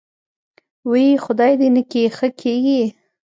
وۍ خدای دې نکي ښه کېږې.